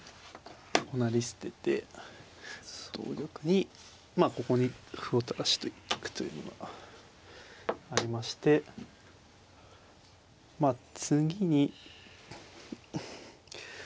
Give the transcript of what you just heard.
成り捨てて同玉にまあここに歩を垂らしておくというのがありましてまあ次に。